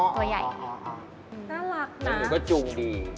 อ๋อตัวใหญ่อ๋อน่ารักนะจูงดี